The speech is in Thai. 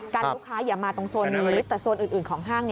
ลูกค้าอย่ามาตรงโซนนี้แต่โซนอื่นของห้าง